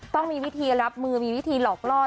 ต้องมีวิธีรับมือมีวิธีหลอกล่อ